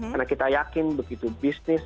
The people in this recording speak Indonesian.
karena kita yakin begitu bisnis